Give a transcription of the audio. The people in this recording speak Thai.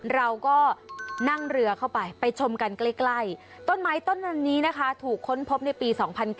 เราก็นั่งเรือเข้าไปไปชมกันใกล้ต้นไม้ต้นนั้นนี้นะคะถูกค้นพบในปี๒๙